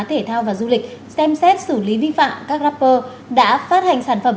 thể thao và du lịch xem xét xử lý vi phạm các rapper đã phát hành sản phẩm